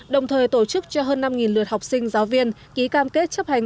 đồng thời tổ chức cho hơn năm lượt học sinh giáo viên ký cam kết chấp hành